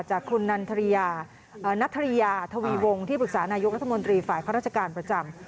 จากคุณนันทริยาทวีวงที่ปรึกษานายกรัฐมนตรีฝ่ายข้าราชการประจำ